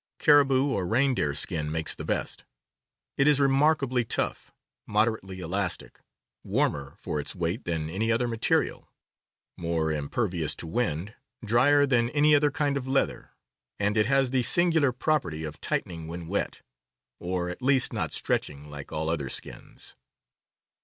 Caribou or rein deer skin makes the best. It is remarkably tough, moderately elastic, warmer for its weight than any other material, more impervious to wind, drier than any other kind of leather, and it has the singular prop erty of tightening when wet, or at least not stretching like all other skins.